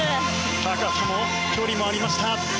高さも距離もありました。